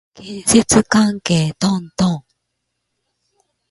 建築関係トントン